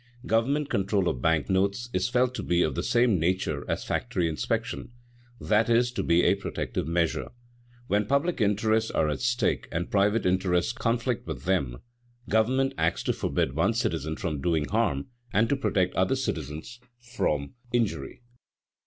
Government control of bank notes is felt to be of the same nature as factory inspection, that is, to be a protective measure. When public interests are at stake and private interests conflict with them, government acts to forbid one citizen from doing harm, and to protect other citizens from injury.